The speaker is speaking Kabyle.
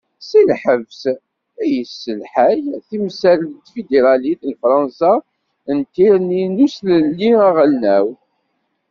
Si lhebs, i yesselḥay timsal n tfidiralit n fransa n tirni n uselelli aɣelnaw.